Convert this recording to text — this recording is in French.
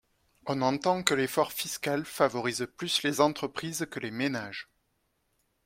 On entend que l’effort fiscal favorise plus les entreprises que les ménages.